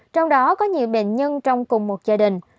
trong đó có nhiều bệnh nhân trong cùng một gia đình